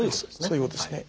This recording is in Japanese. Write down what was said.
そういうことですね。